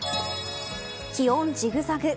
気温ジグザグ。